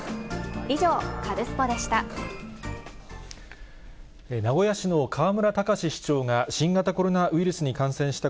以上、カルスポっ！でした。